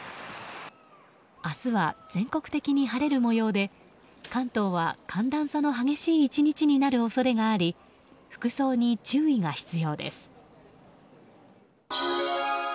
明日は全国的に晴れる模様で関東は寒暖差の激しい１日になる恐れがあり服装に注意が必要です。